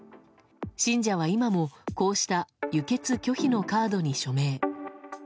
信者は、今もこうした輸血拒否のカードに署名。